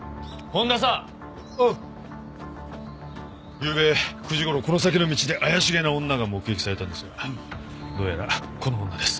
ゆうべ９時頃この先の道で怪しげな女が目撃されたんですがどうやらこの女です。